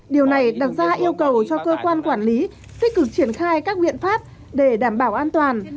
điều này đặt ra yêu cầu cho cơ quan quản lý tích cực triển khai các biện pháp để đảm bảo an toàn